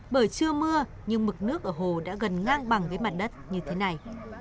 bởi chưa mưa nhưng mực nước ở hồ đã gần ngang bằng với mặt đất như thế này